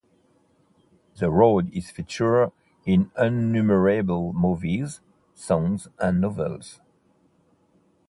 The road is featured in innumerable movies, songs, and novels.